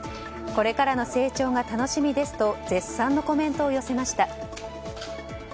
これからの成長が楽しみですと絶賛のコメントを寄せました。